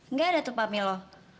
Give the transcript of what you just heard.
nggak ada tuh pamilo